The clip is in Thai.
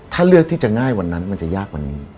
ถ้าเลือกที่จะง่ายวันนั้นมันจะยากวันนี้